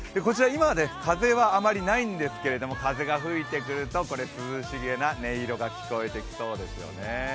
今、風はあまりないんですけれども、風が吹いてくると涼しげな音色が聞こえてきそうですよね。